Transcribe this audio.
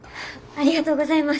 ありがとうございます！